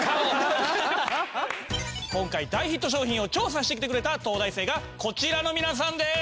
今回大ヒット商品を調査してきてくれた東大生がこちらの皆さんです。